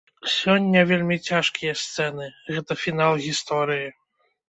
Сёння вельмі цяжкія сцэны, гэта фінал гісторыі.